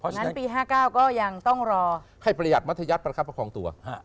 งั้นปี๕๙ก็ยังต้องรอให้ประหยัดมัธยัติประคับประคองตัว